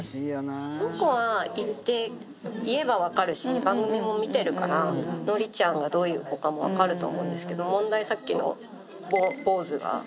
この子は言って、言えば分かるし、番組も見てるから、のりちゃんがどういう子かも分かると思うんですけど、問題はさっきの坊主が。